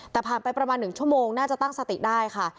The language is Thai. แต่ผ่านไปประมาณ๑ชั่วโมงน่าจะตั้งสติได้ค่ะ